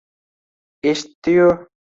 Eshitdi-yu